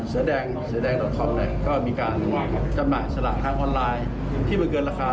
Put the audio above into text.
เสือแดงดอกคอมเนี่ยก็มีการจำหน่ายสลากทางออนไลน์ที่มันเกินราคา